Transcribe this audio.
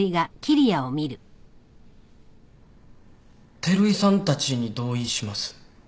照井さんたちに同意します。